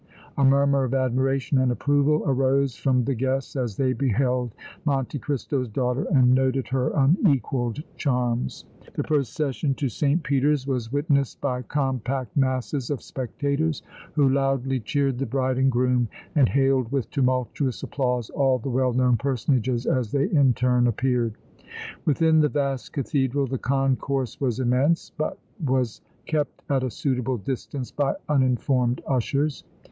A murmur of admiration and approval arose from the guests as they beheld Monte Cristo's daughter and noted her unequaled charms. The procession to St. Peter's was witnessed by compact masses of spectators, who loudly cheered the bride and groom and hailed with tumultuous applause all the well known personages as they in turn appeared. Within the vast cathedral the concourse was immense, but was kept at a suitable distance by uniformed ushers.